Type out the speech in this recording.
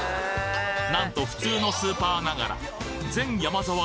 なんと普通のスーパーながら全ヤマザワ